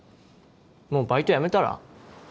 もうバイト辞めたら？